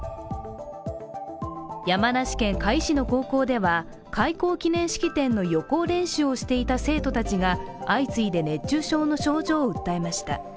山梨県甲斐市の高校では開校記念式典の予行練習をしていた生徒たちが相次いで熱中症の症状を訴えました。